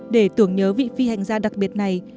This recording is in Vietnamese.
để tưởng nhớ vị phi hành gia đặc biệt này